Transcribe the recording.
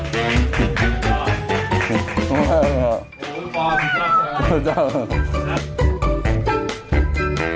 ข้าวเย็นชัยรักษ์เอาไปแล้วสวัสดีครับสวัสดีค่ะ